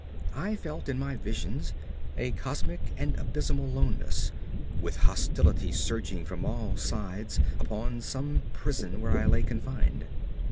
I felt, in my visions, a cosmic and abysmal loneness; with hostility surging from all sides upon some prison where I lay confined.